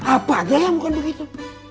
apa aja lah bukan begitu